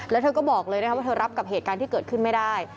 แล้วเธอก็บอกเลยนะครับว่าเธอรับกับเหตุการณ์ที่เกิดขึ้นไม่ได้